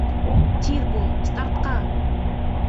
— Тиҙ бул, стартҡа!